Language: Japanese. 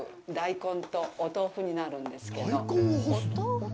大根とお豆腐になるんですけど。